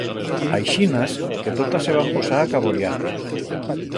Aixinas que totas se van posar a caboriar.